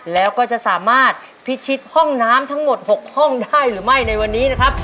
แล้วก็จะสามารถพิชิตห้องน้ำทั้งหมด๖ห้องได้หรือไม่ในวันนี้นะครับ